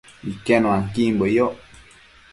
Iquenuanquimbue yoc